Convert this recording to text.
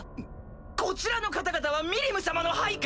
こちらの方々はミリム様の配下！